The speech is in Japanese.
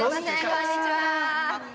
◆こんにちは。